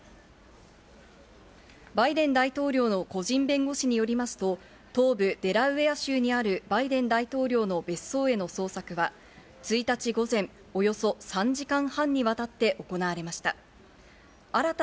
バイデン大統領の個人弁護士によりますと、東部デラウェア州にあるバイデン大統領の別荘への捜索は、１日午前、およそ３時間半にわたって行われました。